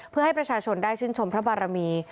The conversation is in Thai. เพื่อให้ประชาชนได้ชื่นชมพระบารมี